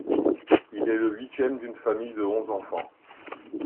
Il est le huitième d'une famille de onze enfants.